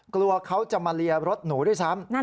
กลัวเขาจะมาเลียรถหนูด้วยซ้ำ